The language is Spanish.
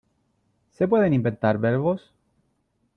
¿Se pueden inventar verbos ?